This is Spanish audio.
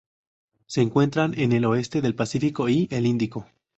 Se encuentran en el oeste del Pacífico y el Índico.